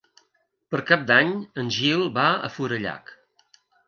Per Cap d'Any en Gil va a Forallac.